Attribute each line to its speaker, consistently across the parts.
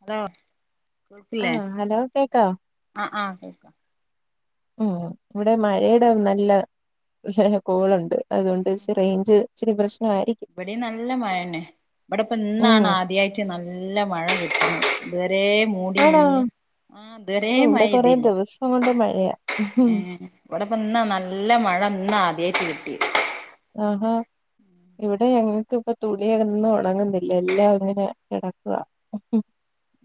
Speaker 1: hello കേക്കില്ലേ
Speaker 2: ആഹ് hello കേക്കാവോ
Speaker 1: ആഹ ആഹ കേൾക്കാം
Speaker 2: ഉം ഇവിടെ മഴയുടെ നല്ല കോളുണ്ട് അതുകൊണ്ട് റേഞ്ച് ഇച്ചിരി പ്രശ്നാ
Speaker 1: ഇവിടെ നല്ല മഴന്നെ ഇവിടെ ഇപ്പ
Speaker 2: ഉം
Speaker 1: ഇന്നാണ് ആദ്യമായിട്ട് നല്ല മഴ കിട്ടുന്നത് ഇതുവരെ മൂടി
Speaker 2: ആണോ
Speaker 1: നിന്ന് ആഹ ഇതുവരെ
Speaker 2: ഓ
Speaker 1: മഴ
Speaker 2: ഇവിടെ കൊറേ
Speaker 1: പെയ്തില്ല
Speaker 2: ദിവസം കൊണ്ട് മഴയാ ഉം
Speaker 1: ഉ ഇവിടെപ്പന്നാ നല്ല മഴ ഇന്ന ആദ്യമായിട്ട് കിട്ടി
Speaker 2: ആഹ ഇവിടെ ഞങ്ങക്ക് ഇപ്പൊ തുണിയൊന്നും ഉണങ്ങുന്നില്ല എല്ലാം അങ്ങനെ കിടക്കുക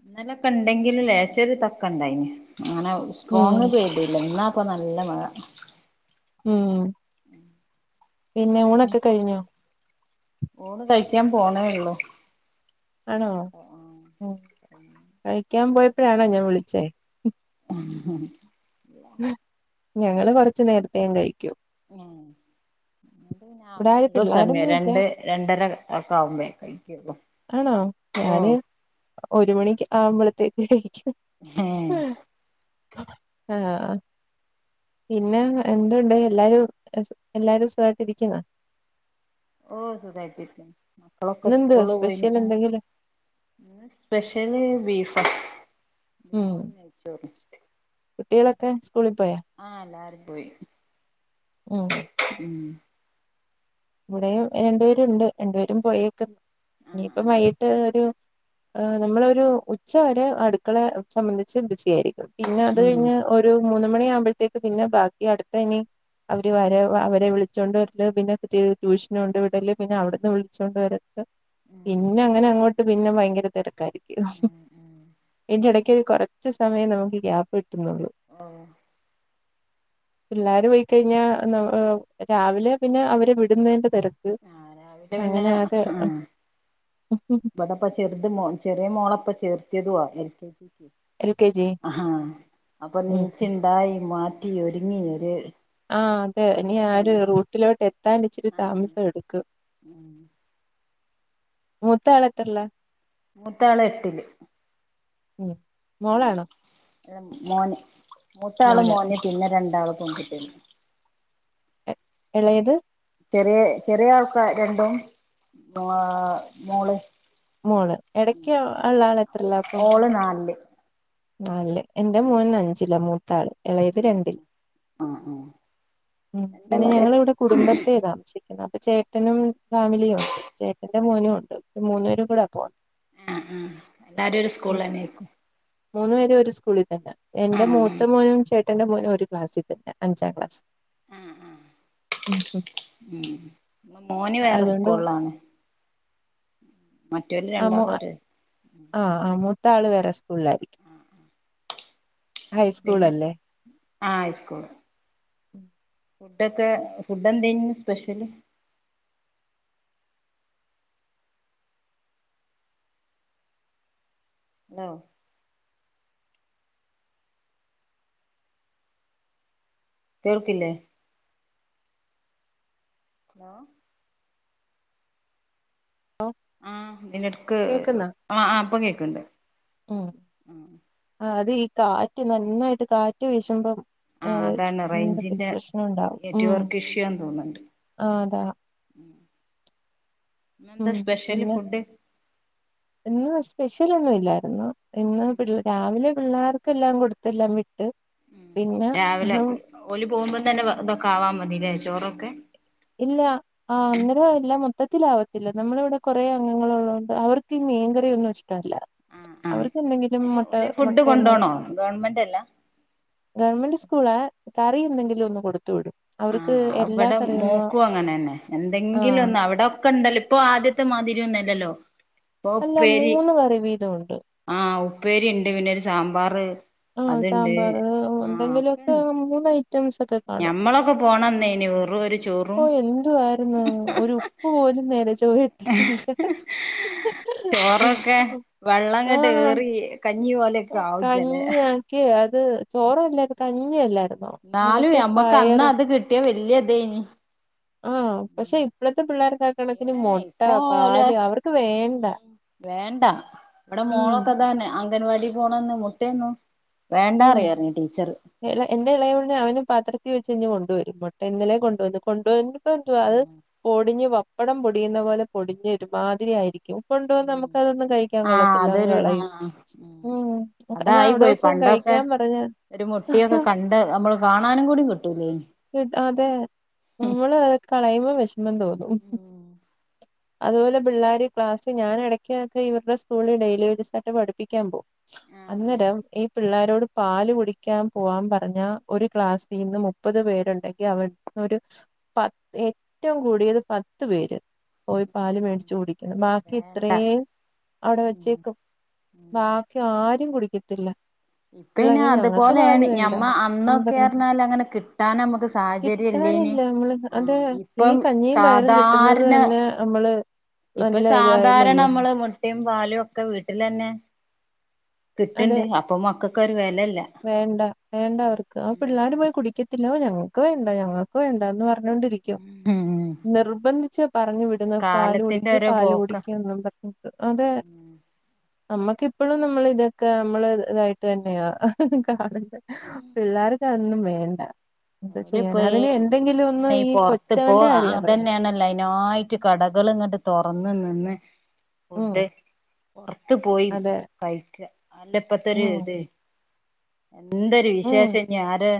Speaker 1: ഇന്നലൊക്കെ ഉണ്ടെങ്കിൽ ലേശോരു തക്ക ഉണ്ടായിന് അങ്ങനെ
Speaker 2: ഉം
Speaker 1: സ്ട്രോങ് പെയ്തില്ല ഇന്ന ഇപ്പൊ നല്ല മഴ
Speaker 2: ഉം പിന്നെ ഊണൊക്കെ കഴിഞ്ഞോ
Speaker 1: ഊണ് കഴിക്കാൻ പോണേ ഉള്ളൂ
Speaker 2: ആണോ കഴിക്കാൻ പോയപ്പോഴാണോ ഞാൻ വിളിച്ചേ
Speaker 1: ഉ
Speaker 2: ഞങ്ങള് കൊറച്ച നേരത്തേ കഴിക്കൂ ഇവിടെ ആരും
Speaker 1: സമയം
Speaker 2: പിള്ളോരൊന്നും ഇല്ല
Speaker 1: രണ്ട് രണ്ടര ഒക്കെ ആവുമ്പോ
Speaker 2: ആണോ ഞാന് ഒരു മണിക്ക് ആവുബ്ബളത്തേക്ക് കഴ
Speaker 1: ആഹ
Speaker 2: ആഹ പിന്നെ എന്തുണ്ട് എല്ലാരും എല്ലാരും സുഖയിട്ട് ഇരിക്കുന്ന
Speaker 1: ഓഹ സുഖായിട്ട് ഇരിക്കുന്നു മക്കളൊക്കെ
Speaker 2: ഇന്നെന്തുവാ
Speaker 1: സ്കൂളിൽ പോയി
Speaker 2: സ്പെഷ്യൽ എന്തെങ്കിലും
Speaker 1: സ്പെഷ്യല് ബീഫ് നീ
Speaker 2: ഉം
Speaker 1: കയിച്ചോ
Speaker 2: കുട്ടികളൊക്കെ സ്കൂളിൽ പോയാ
Speaker 1: ആഹ എല്ലാരും പോയി
Speaker 2: ഉം ഇവിടെ രണ്ടുപേരുണ്ട് രണ്ടുപേരും പോയിേക്കുന്നു
Speaker 1: ആഹ്
Speaker 2: ഇനിയിപ്പ
Speaker 1: ആഹ്
Speaker 2: വൈകീട്ട് ഒരു ആ നമ്മളൊരു ഉച്ച വരെ അടുക്കള സംബന്ധിച്ച് ബിസി ആയിരിക്കും പിന്നെ അത്
Speaker 1: ഉം
Speaker 2: കഴിഞ്ഞ് ഒരു മൂന്നു മണി ആകുമ്പോയത്തേക്ക് പിന്നെ ബാക്കി അടുത്ത ഇനി അവരെ വിളിച്ചോണ്ട് വരാ ത് ട്യൂക്ഷൻ കൊണ്ട് വിടൽ പിന്നെ അവിടുന്ന് വിളിച്ചോണ്ട് വരൽ
Speaker 1: ഉം
Speaker 2: പിന്നെ അങ്ങനെ അങ്ങോട്ട് പിന്നെ ഭയങ്കര തിരക്കായിരിക്കും
Speaker 1: ഉം ഉം
Speaker 2: എന്റെ ഇട കുറച്ച് സമയം നമുക്ക് ഗ്യാപ്പ് കിട്ടുന്നുള്ളൂ
Speaker 1: ഓ
Speaker 2: പിള്ളാര് പോയി കഴിഞ്ഞാ രാവിലെ പിന്നെ അവരെ വിടുന്നതിന്റെ തിരക്ക്
Speaker 1: ആഹ് രാവിലെ
Speaker 2: അങ്ങനെ ആകെ
Speaker 1: ഇവിടപ്പ ചെറുത് മോൻ ചെറിയ മോളഇപ്പം ചേർത്തിയതുമാണ് L K G
Speaker 2: L K G
Speaker 1: ആഹാ അപ്പൊ
Speaker 2: ഉം
Speaker 1: നീച്ച ഉണ്ടായി മാറ്റി ഒരുങ്ങി ഒരു
Speaker 2: ആഹ അതെ ഇനി ആ
Speaker 1: പണിയന്നെ
Speaker 2: ഒരു റൂറ്റിലേക് എത്തി വത്താനിച്ചിട്ടു
Speaker 1: ആഹ്
Speaker 2: താമസം എടുക്കും
Speaker 1: ഉം
Speaker 2: മൂത്താൾ എത്രേലാ
Speaker 1: മൂത്താൾ എട്ടില്
Speaker 2: ഉം മോളാണോ
Speaker 1: മോന് മൂത്താൾ മോന് പിന്നെ രണ്ടാള് പെൺകുട്ടികള്
Speaker 2: ഇളയത്
Speaker 1: ചെറിയ ചെറിയ ആൾക്കാർ രണ്ടും മോള്
Speaker 2: മോൾ ഇടക്ക് ഉള്ള ആളു എത്രലാ അപ്പൊ
Speaker 1: ഓള് നാലില്
Speaker 2: നല്ില് എറെ മോന് അഞ്ചില്ല മൂത്താള് ഇളയത് രണ്ടില്
Speaker 1: ആഹ് ആഹ്
Speaker 2: ഉ പിന്നെ
Speaker 1: രണ്ടാളും ഒരേ
Speaker 2: ഞങ്ങള
Speaker 1: സ്
Speaker 2: ഇവിടെ കുടുംബത്തെ താമസും അപ്പൊ ചേട്ടനും ഫാമിലിയും ഉണ്ട് ചേട്ടന്റെ മോനും ഉണ്ട് മൂന്നൂരും കൂടെ പോ
Speaker 1: ആ ആ എല്ലാരും ഒരു സ്കൂള തന്നെക്കും
Speaker 2: മൂന്നു പേ ഒരു സ്കൂളിൽ തന്നെ എന്റെ
Speaker 1: ഉം
Speaker 2: മൂത്ത മോനും ചേട്ടന്റെ മോനും ഒരു ക്ലാസ്സിൽ തന്നെ അഞ്ചാം ക്ലാസ്
Speaker 1: ഉ ന മോനി വേറെ
Speaker 2: അതുകൊണ്ട്
Speaker 1: സ്കൂളാണ്
Speaker 2: ആ
Speaker 1: ഒര്
Speaker 2: ആ ആ മൂത്ത ആള് വേരെ സ്കൂളിലായിരിക്കും ഹൈസ്കൂൾ അല്ലേ
Speaker 1: ആ് സ്കൂൾ
Speaker 2: ഉം
Speaker 1: ഫുഡൊക്കെ ഫുഡ് എന്ത ചെയു സ്പെഷ്യല് ആഹ കേർക്കില്ലേ ഹലോ
Speaker 2: ഹലോ
Speaker 1: ആഹ ഇന്നടക്ക്
Speaker 2: കേക്കുന്നോ
Speaker 1: ആ അപ്പം കേക്കണ്ട്
Speaker 2: ഉം ആ അത് ഈ കാറ്റ് നന്നായിട്ട് കാറ്റ് വീശുമ്പം ആ
Speaker 1: അതാണ്
Speaker 2: എന്തൊക്ക ഒരു
Speaker 1: റേഞ്ചിന്റെ
Speaker 2: പ്രശ്നം ഉണ്ടാവും
Speaker 1: നെറ്റ്
Speaker 2: ഉം
Speaker 1: വർക്ക് ഇഷ്യൂന്ന് തോന്നുന്നുണ്ട്
Speaker 2: ആഹ അതാ ഉം
Speaker 1: ഇന്നെന്താ സ്പെഷ്യല്
Speaker 2: പിന്നെ
Speaker 1: ഫുഡ്
Speaker 2: എന്ന സ്പെഷ്യൽ ഒന്നും ഇല്ലായിരുന്നു ഇന്ന് പി രാവിലെ പിള്ളേർക്കെല്ലാം കൊടുത്തില്ല
Speaker 1: ഉം രാവിലെ ഓല് പോകുമ്പോ തന്നെ ഇതൊക്കെ ആവാ മതില്ലേ ചോറൊക്കെ
Speaker 2: ഇല്ല ആ അന്നേരം ഇല്ല മൊത്തത്തില് ആവ പല്ല നമ്മളിവിടെ കുറേ അംഗങ്ങള ഉള്ളതുണ്ട് അവർക്ക് മീൻകറി ഒന്നും ഇഷ്ട ല്ല
Speaker 1: ആ ആ
Speaker 2: അവർക്ക് എന്തെങ്കിലും
Speaker 1: അയ്ന്
Speaker 2: മുട്ട
Speaker 1: ഓല് ഫുഡ്
Speaker 2: മുട്ടയന്ന്
Speaker 1: കൊണ്ടോണോ ഗവൺമെന്റ് അല്ല
Speaker 2: ഗവൺമെന്റ് സ്കൂള കറി എന്തെങ്കിലും ഒന്ന് കൊടുത്തു വിടും അവർക്ക് എല്ലാ കറിയൊന്നും
Speaker 1: നോക്കു അങ്ങനെ തന്നെ എന്തെങ്കിലും
Speaker 2: ആഹ്
Speaker 1: ഒന്നും അവിടെൊക്കെ ഉണ്ടല്ലോ ഇപ്പൊ ആദ്യത്തെ മാതിരിൊന്നും ഇല്ലല്ലോ
Speaker 2: അല്ല മൂന്ന് വറി വീതമാണ്
Speaker 1: ആഹ് ഉപ്പേരി ഉണ്ട് പിന്നെരു സാമ്പാർ
Speaker 2: ആഹ്
Speaker 1: അതുണ്ട്
Speaker 2: സാമ്പാർ
Speaker 1: ആഹ അപ്പ
Speaker 2: എന്തെങ്കിലുമൊക്കെ മൂന്ന് ഐറ്റംസ് ഒക്കെ കാണും
Speaker 1: ഞമ്മളൊക്കെ പോണന്നെ ഇനി വെറ
Speaker 2: ഓ എന്തു ആായിരുന്നു ഒരു ഉപ്പ് പോലും നേരെ ചോ ഇട്ടിട്ടില്ല
Speaker 1: ചോറൊക്കെ വെള്ളംങ്ങട്ട്
Speaker 2: ആഹ
Speaker 1: ഏറി കഞ്ഞി പോലെയൊക്കെ ആവും ചെല
Speaker 2: കഞ്ഞി ആക്കിയ അത് ചോറല്ലത് കഞ്ഞ അല്ല
Speaker 1: എന്നാലും നമ്മക്ക് അന്ന അത് കിട്ടിയാ വല്യതഞ്ഞ
Speaker 2: ആഹ പക്ഷെ ഇപ്പോഴത്തെ പിള്ളേർക്ക ആാക്കണങ്കന്
Speaker 1: ഏഹ്
Speaker 2: മുട്ട
Speaker 1: ഇപ്പൊ ഓല്
Speaker 2: പാല് അവർക്ക് വേണ്ട
Speaker 1: ഉം വേണ്ട ഇവിടെ
Speaker 2: ഉം
Speaker 1: മോളൊക്കെതന്നെ അംഗൻവാടി പോണന്ന് മുട്ടന്നു
Speaker 2: ഉം എന്റെ ഇളയംമടെ അവനും പാത്ര ത്തി വെ കഴഞ് കൊണ്ടുവ വരും മുട്ട ഇന്നലെ കൊണ്ടുവന്നന്ന് കൊണ്ടുവന്നപ്പോ എന്തു അത് പൊടിഞ്ഞഞ് വപ്പടം പൊടിയുന്ന പോലെ പൊടിഞ്ഞൊ ഒരുമാതിരി ആയിരിക്കും കൊണ്ട നമുക്ക്തൊന്നും കഴിക്കാൻ
Speaker 1: ആഹ്
Speaker 2: കൊള്ളത്തില്ല
Speaker 1: അതൊരു
Speaker 2: കളയും
Speaker 1: ആഹ് ഉം
Speaker 2: ഉം
Speaker 1: അതായി
Speaker 2: അവിടെ
Speaker 1: പോയി
Speaker 2: വെച്ച ക
Speaker 1: പണ്ടൊക്കെ
Speaker 2: പറഞ്ഞാ
Speaker 1: ഒരു മുട്ടയൊക്കെ കണ്ട് നമ്മള് കാണാനും കൂടി കിട്ടൂലേനി
Speaker 2: അതെ നമ്മള് അത കളയുമ്പോം വിഷമം തോന്നും
Speaker 1: ഉം
Speaker 2: അതുപോലെ പിള്ളേരി ക്ലാസ് ഞാന് ഇടയ്ക്കൊക്കെ ഇവരുടെ സ്കൂളിൽ ഡെയിലി യജസായിട്ട് പഠിപ്പിക്കൻ പോകും
Speaker 1: ആഹ് ആഹ്
Speaker 2: അന്നേരം ഈ പിള്ളേ അവരോട് പാല് കുടിക്കാൻ പോവാാൻ പറഞ്ഞാ ഒരു ക്ലാസ്സിൽന്ന് മുപ്പത് പേരുണ്ടെങ്കിൽ അവവിടെന്ന് ഒരു പത്ത് ഏറ്റവും കൂടിയത് പത്ത് പേര് പോയി പാല് മേടച്ച് കുടിക്കണം ബാക്കി
Speaker 1: വേണ്ട
Speaker 2: ഇത്രയും അവിടെ
Speaker 1: ഉം
Speaker 2: വെച്ചേക്കും ബാക്കി ആരും കുടിക്കത്തില്ല
Speaker 1: ഇപ്പന്നെ
Speaker 2: പിള്ളേര് ഞങ്ങൾക്ക് പാല്
Speaker 1: അതുപോലെയാണ്
Speaker 2: വേണ്ട
Speaker 1: ഞമ്മ
Speaker 2: എന്ന് പറഞ്ഞു
Speaker 1: അന്നൊക്കെറിഞ്ഞാൽ അങ്ങനെ കിട്ടാൻ നമ്മുക്ക് സാഹചര്യമല്ല
Speaker 2: ഇപ്പല്ല നമ്മള് അത ഈ കഞ്ഞിയും പയറും കിട്ടുന്നത്
Speaker 1: സാധാരണ
Speaker 2: തന്നെ നമ്മള്
Speaker 1: ഇപ്പൊ
Speaker 2: നല്ല
Speaker 1: സാധാരണ
Speaker 2: ഇതായില്ലല്ലേ
Speaker 1: നമ്മള് മു മുട്ടയും പാലും ഒക്കെ വീട്ടിൽ തന്നെ
Speaker 2: അതെ
Speaker 1: കിട്ടണ്ട് അപ്പൊ മക്കൾക്ക ഒരു വേ
Speaker 2: വേണ്ട വേണ്ട അവർക്ക് ആ പിള്ളാര് പോയി കുടിക്കത്തില്ല ഞങ്ങൾക്ക് വേണ്ട ഞങ്ങൾക്ക് വേണ്ട എന്ന് പറ പറഞ്ഞോണ്ടിരിക്കും
Speaker 1: ഉം ഉം
Speaker 2: നിർബന്ധിച്ച്ച് പറഞ്ഞു വിടുന്ന പാല്
Speaker 1: കാലത്തിന്റെ
Speaker 2: കുടിക്ക്
Speaker 1: ഓരോ
Speaker 2: പാല്
Speaker 1: പോക്കാ
Speaker 2: കുടിക്ക് പറഞ്ഞിട്ട് അതെ നമ്മക്കിപ്പോഴും നമ്മൾ ഇതൊക്കെ നമ്മള് ഇതായിട്ട് തന്നെയ
Speaker 1: ഉം
Speaker 2: കാണണ്ട പിള്ളേർക്ക് അന്നും വേണ്ട എന്താ ചെയ്യാന അതിന്
Speaker 1: [unintelligible]
Speaker 2: എന്തെങ്കിലും ഒന്ന്
Speaker 1: അങ്ങനെ ഈ പുറത്ത്പ്പോ
Speaker 2: കൊച്ചവന്റെ കാര്യ പ്രശ്നം
Speaker 1: അതന്നെയാണല്ലോ അതിനായിട്ട് കടകൾ ഇങ്ങട്ട് തുറന്ന നിന്ന്
Speaker 2: ഉം
Speaker 1: ഫുഡ് പുറത്ത പോയി
Speaker 2: അതെ
Speaker 1: കഴിക്കുക അല്ലപ്പത്തെര്
Speaker 2: ഉം
Speaker 1: ഇത എന്തൊരു
Speaker 2: ഉം
Speaker 1: വിശേഷം ഇനിരു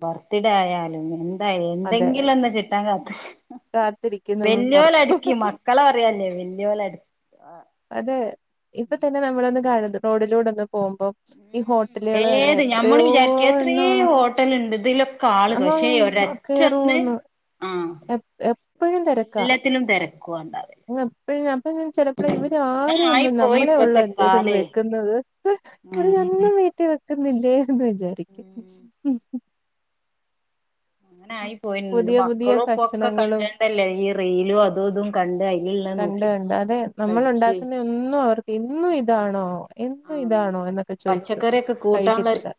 Speaker 1: ബർത്ത്ഡേ ആയാലും എന്താ
Speaker 2: അതെ
Speaker 1: എന്തെങ്കിലും ഒന്ന് കിട്ടാൻ
Speaker 2: കാത്തിരിക്കും നമ്മൾ
Speaker 1: വല്ലിയ പോലെ
Speaker 2: പൊറത്ത്
Speaker 1: അടുക്കി മക്കളെ പറയല്ലേ വല്യയല അടുക്കി
Speaker 2: അതെ ഇപ്പ തന്നെ നമ്മളൊന്ന് കാണന്ന് റോഡിലൂടെന്ന് പോകുമ്പോ ഈ ഹോട്ടലുകൾ തന്നെ
Speaker 1: ഏത് ഞമ്മള്
Speaker 2: എത്രയോ
Speaker 1: വിചാരിക്കും എത്രേ
Speaker 2: എണ്ണ
Speaker 1: ഹോട്ടലുണ്ട് ഇതിലൊക്കെ ആള് പക്ഷേ
Speaker 2: ആ
Speaker 1: ഒരൊറ്റ ഒന്ന്
Speaker 2: കേറോന്നു
Speaker 1: ആഹ്
Speaker 2: എ എപ്പഴും തിരക്കാ
Speaker 1: എല്ലാത്തിനും തിരക്കുവാ ഉണ്ടാവല്
Speaker 2: എപ്പഴും അ ചിലപ്പോൾ ഇവര്
Speaker 1: അങ്ങനെ
Speaker 2: ആരും
Speaker 1: ആയി
Speaker 2: ഒന്നും
Speaker 1: പോയി
Speaker 2: നമ്മളെ ഉള്ള
Speaker 1: ഇപ്പത്തെ
Speaker 2: എന്തായും
Speaker 1: കാലേ
Speaker 2: വെക്കുന്നത് ഇവര്
Speaker 1: ഉം
Speaker 2: ഒന്നും വീട്ടിൽ വെ ക്കുന്നില്ലേന്ന് വിചാരിക്കും
Speaker 1: ഉം അങ്ങനെ ആയി പോയിണ്ട്
Speaker 2: പുതിയ പുതിയ
Speaker 1: മക്കളും ഇപ്പൊക്കെ
Speaker 2: ഭക്ഷണങ്ങളും
Speaker 1: കണ്ടണ്ടല്ലേ ഈ റെയിലും അതും ഇതും കണ്ട് അതിലുള്ള
Speaker 2: കണ്ട
Speaker 1: നോക്കി
Speaker 2: കണ്ട് അതെ നമ്മൾ
Speaker 1: പഠിച്ച്
Speaker 2: ഉണ്ടാക്കുന്ന ഒന്നും അവർക്ക് എന്നും ഇതാണോ എന്നും ഇതാണോ എന്നൊക്കെ ചോദിച്ചു
Speaker 1: പച്ചക്കറൊക്കെ കൂട്ടാനുള്ളരു
Speaker 2: കഴിക്കത്തില്ല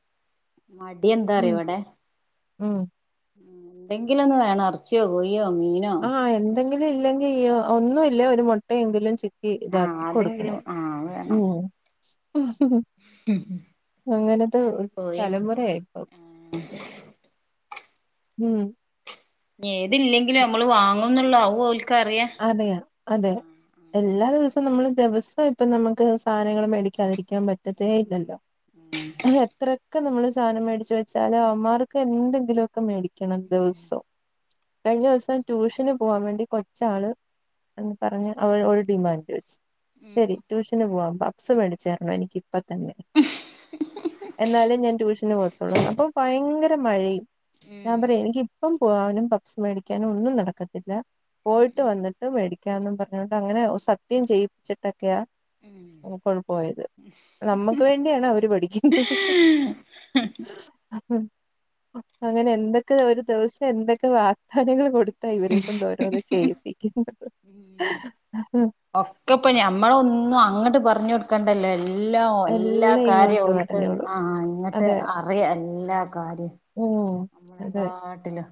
Speaker 1: മടി എന്താറ
Speaker 2: ഉം
Speaker 1: ഇവിടെ
Speaker 2: ഉം
Speaker 1: എന്തെങ്കിലൊന്ന് വേണം ഇറച്ചിയോ കൊയിയോ മീനോ
Speaker 2: ആഹ് എന്തെങ്കിലും ഇല്ലെങ്കിൽ ഒന്നും ഇല്ല ഒരു മുട്ടയെങ്കിലും
Speaker 1: ആഹ്
Speaker 2: ക്കിഇതാക്കി
Speaker 1: അതെങ്കിലും
Speaker 2: കൊടുക്കണം
Speaker 1: ആഹ്
Speaker 2: ഉ
Speaker 1: വേണം
Speaker 2: അങ്ങനത്തെ
Speaker 1: കോഴി
Speaker 2: തലമുറയായിപ്പ ഉം
Speaker 1: ഏതില്ലെങ്കിലും നമ്മള് വാങ്ങ എന്നുള്ളാവോ
Speaker 2: അതെയ അതെ എല്ലാ ദിവസവും നമ്മള് ദിവസം ഇപ്പം നമുക്ക് സാധനങ്ങളും മേടിക്കാതിരിക്കാൻ പറ്റത്തേ ഇല്ലല്ലോ
Speaker 1: ഉം
Speaker 2: എത്രയൊക്കെ നമ്മള് സാധനം മേടിച്ചു വെച്ചാല് അവന്മാർക്ക് എന്തെങ്കിലുമ ഒക്കെ മേടിക്കും ക്കണംദിവസം കഴിഞ്ഞ ദിവസം ട്യൂഷന് പോകാൻ വേണ്ടി കൊ ച്ചവള് എന്ന് പറഞ്ഞ് അവ ഒരു ഡിമാൻഡ് വെച്ച്
Speaker 1: ഉം
Speaker 2: ശരി ട്യൂഷന് പോവാമ്പാ സ് മേടിച്ചേരണം എനിക്ക് ഇപ്പ എന്ന്എന്നാലേ ഞാൻ ട്യൂഷന് പോത്തോളൂ അപ്പൊ ഭയങ്കര മഴയും ഞാൻ
Speaker 1: ഉം
Speaker 2: പറയാ എനിക്ക് ഇപ്പം പോവാനും പപ്സ് മേടിക്കാനും ഒന്നും നടക്കത്തില്ല പോയിട്ട് വന്നിട്ട് മേടിക്കാന്ന് പറഞ്ഞോണ്ട് അങ്ങനെ സത്യം ചെയ്യിപ്പിച്ചിട്ടൊക്കെയാ
Speaker 1: ഉം
Speaker 2: കൂടപോയത് നമ്മക്ക് വേണ്ടിയാണ് അവര് പഠിക്കുന്നത്
Speaker 1: അ [unintelligible]
Speaker 2: അങ്ങനെ എന്തൊക്കെ ഒരു ദിവസം എന്തൊക്കെ വാഗ്ദാനങ്ങൾ കൊടുത്താ ഇവരെ കൊണ്ട് ഓരോന്ന് ചെയ്യിപ്പിക്കുന്നത്
Speaker 1: ഒക്കെപ്പൊ ഞമ്മള ഒന്നും അങ്ങോട്ട് പറഞ്ഞഞ് കൊടുക്കണ്ടല്ലോ എല്ലാ എല്ലാ
Speaker 2: എല്ലാം
Speaker 1: കാര്യ
Speaker 2: ഇങ്ങോട്ട്
Speaker 1: ഓൾക്ക്
Speaker 2: പറഞ്ഞോളും
Speaker 1: ആ അങ്ങിട്ട്
Speaker 2: അതെ
Speaker 1: അറിയാം എല്ലാ കാര്യ
Speaker 2: ഉം
Speaker 1: നമ്മളെ
Speaker 2: അതെ
Speaker 1: കാട്ടില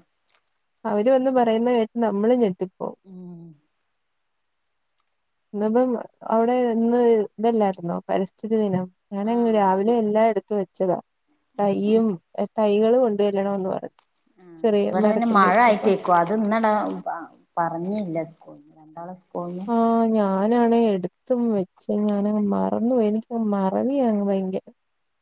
Speaker 2: അവര് വന്ന് പറയുന്ന കേട്ട് നമ്മള് ഞെട്ടിപ്പോ ഇന്ന്ഇപ്പം അവിടെ ഇന്ന് ഇതല്ലായിരുന്നോ പരിസ്ഥിതി ദിനം അങ്ങനെ
Speaker 1: ആഹ്
Speaker 2: രാവിലെ
Speaker 1: ആഹ്
Speaker 2: എല്ലായിടത്തു വെച്ചതാ
Speaker 1: ഉം ഉം
Speaker 2: തയ്യും തൈകള് കൊണ്ടുചെല്ലണോന്ന് പറഞ്ഞു
Speaker 1: ആ
Speaker 2: ചെറിയ
Speaker 1: ഇവിടെ പിന്നെ മഴ
Speaker 2: മരത്തിന്റെയൊക്കെ അപ്പം
Speaker 1: ആയിട്ടേക്കുവ അത് ഇന്നട പറഞ്ഞില്ല ഓ ഇന്ന് രണ്ടാളും സ്കൂളില്
Speaker 2: ഞാനാണ് എടുത്തും വെച്ച് ഞാനങ്ങ് മറന്നു പോയി എനിക്ക മറവിയാങ്ങ് ഭയങ്കര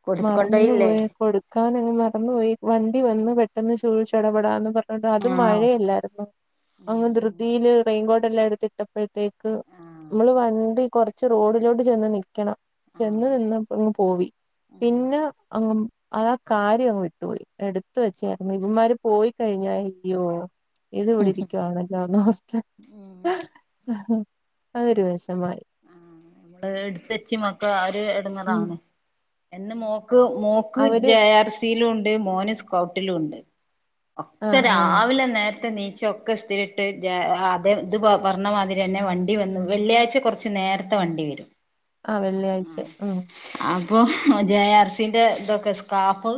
Speaker 1: കൊടുത്ത്
Speaker 2: മറന്നു
Speaker 1: കൊണ്ടോയില്ലേ
Speaker 2: പോയി കൊടുക്കാൻ അങ്ങ് മറന്നു പോയി വണ്ടി വന്ന് പെട്ടെന്ന് തുളിച്ച്ച്ചടപെടാന്ന് പറഞ്ഞ അതു
Speaker 1: ആഹ്
Speaker 2: മഴയല്ലായിരുന്നു
Speaker 1: ഉം
Speaker 2: അങ്ങ്
Speaker 1: ഉം
Speaker 2: ധൃതിയില് റെയിൻകോട്ട് ല്ലായിടുത്ത് ഇട്ടപ്പോഴത്തേക്ക്
Speaker 1: ആഹ്
Speaker 2: നമ്മള് വണ്ടി കുറച്ച് റോഡിലോട്ട് ചെന്ന് നിക്കണം ചെന്ന്
Speaker 1: ആഹ്
Speaker 2: നിന്ന അങ്ങ് പോയി
Speaker 1: ഉം
Speaker 2: പിന്നെ അങ്ങ് അതാ കാര്യം അങ്ങ് വിട്ടുപോയി എടുത്ത വെച്ചായിരുന്നു ഇവമാര് പോയി കഴിഞ്ഞ അയ്യോ ഇത് ഇവിടെ ഇരിക്കുവായാണല്ലോ എന്നോർത്തേ
Speaker 1: ഉം
Speaker 2: അതൊരു വിഷ- മായി
Speaker 1: നമ്മള് എടുത്ത വച്ചി മക്കെ
Speaker 2: ഉം
Speaker 1: ഒരുഎടങ്ങേറാണ് എന്ന് മോ ക്ക് മോക്ക്
Speaker 2: അവര്
Speaker 1: ജെ ആർ സയിലുമുണ്ട് മോന് സ്കൗട്ടിലുമുണ്ട് ഒക്കെ
Speaker 2: ആഹ് ആഹ്
Speaker 1: രാവിലെ നേരത്തെ ണിക്ക ച്ചൊക്കെ ഇസ്തിരിയിട്ട് ഇത് പറഞ്ഞ മാതിരി തന്നെ വണ്ടി വന്നു വെള്ളിയാഴ് കൊറച്ച് കുറച്ച് നേരത്തെ വണ്ടി വരും
Speaker 2: ആ വെള്ളിയാഴ്ച ഉം
Speaker 1: ആ ഇപ്പൊ ജെ ആർ സിന്റെ ഇതൊക്കെ സ്കാർഫ്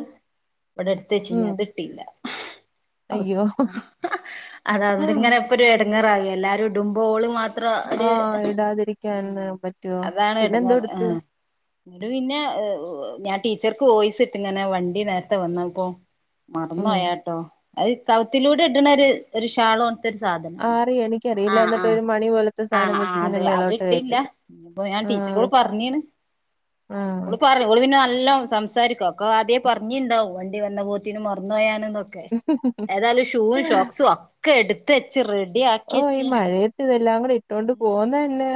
Speaker 1: ഇവിടെ എടുത്ത് വെച്ച്
Speaker 2: ഉം
Speaker 1: അത് ഇട്ടില്ല
Speaker 2: അയ്യോ
Speaker 1: അതോ അവിങ്ങനെപ്പൊ ഒരു ഇടങ്ങറാകും എല്ലാരും ഇടുമ്പോ ഓള് മാത്രം
Speaker 2: ഹ
Speaker 1: ഒരു ഉം
Speaker 2: ഇടാതിരിക്കാന്ന് പറ്റുവോ പിന്നെ എന്തോ എടുത്ത്
Speaker 1: എന്നട് പിന്നെ ഞാൻ ടീച്ചർക്ക് വോയിസ് ഇട്ട് ഇങ്ങനെ വണ്ടി നേരത്തെ വന്ന ഇപ്പോ മറന്നു
Speaker 2: ഉം
Speaker 1: പോയാട്ടോ അത് കഴുത്തിലൂടെ ഇടണ ഒരു ഒരു ഷാള സാധന
Speaker 2: ആറിയ
Speaker 1: ആ
Speaker 2: എനിക്കറിയില്ല
Speaker 1: ആ
Speaker 2: എന്നിട്ട് ഒരു മണി പോലത്തെ
Speaker 1: ആ
Speaker 2: സാധനം
Speaker 1: ആ
Speaker 2: വെച്ച് ഇങ്ങനെ
Speaker 1: അതെ അത്
Speaker 2: മേളോട്ട്
Speaker 1: ഇട്ടില്ല
Speaker 2: കയറ്റുന്നു
Speaker 1: ഞാൻ ടീച്ചോട്
Speaker 2: ആഹ്
Speaker 1: പറഞ്ഞിന്
Speaker 2: ആഹ്
Speaker 1: ഓള് പറ നല്ലാം സംസാരിക്കോ ഒക്കെ അദ്യ പറഞ്ഞിണ്ടാവും വണ്ടി വന്ന പോത്തിനന് മറന്നുപോാണ് ഒക്കെ ഏതായാലും ഷൂ ഷോക്സും ഒക്കെ എടുത്ത് റെഡി ആക്കി
Speaker 2: ഓ ഈ
Speaker 1: വെച്ച്
Speaker 2: മഴയത്ത് ഇതെല്ലാം കൂടെ ഇട്ടോണ്ട്
Speaker 1: ഉം
Speaker 2: പോകുന്നതന്നെ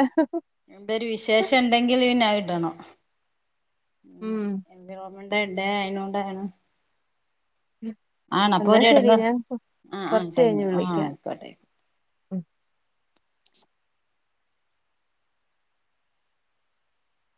Speaker 1: എന്തൊരു വിശേഷം ഉണ്ടെങ്കിൽ പിന്നെ അത് ഇടണം ഇന്ന്
Speaker 2: ഉം
Speaker 1: എൻവയോൺമെന്റ് ഡേ അയിനോണ്ടാണ്
Speaker 2: എന്നാ ശരി
Speaker 1: എടങ്ങേറ്
Speaker 2: ഞാൻ
Speaker 1: ആഹ് ആഹ്
Speaker 2: കൊറച്ച്
Speaker 1: ടൈം
Speaker 2: കഴിഞ്ഞ്
Speaker 1: ആഹ്
Speaker 2: വിളിക്കാം
Speaker 1: ആയിക്കോട്ടെ
Speaker 2: ഉം